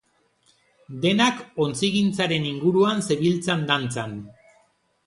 Denak ontzigintzaren inguruan zebiltzan dantzan.